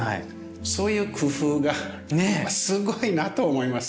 そういう工夫がすごいなと思います。